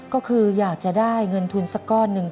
ก็คืออยากจะได้เงินทุนสักก้อนหนึ่ง